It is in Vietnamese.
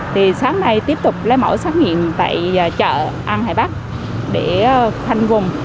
thì sáng nay tiếp tục lấy mẫu xét nghiệm tại chợ an hải bắc để khoanh vùng